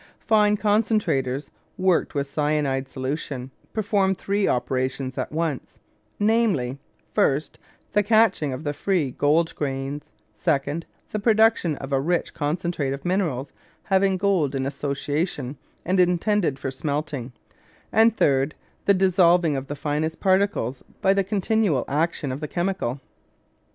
Fine concentrators, worked with cyanide solution, perform three operations at once, namely, first, the catching of the free gold grains; second, the production of a rich concentrate of minerals having gold in association and intended for smelting; and, third, the dissolving of the finest particles by the continual action of the chemical.